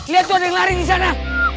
liat tuh ada yang lari disana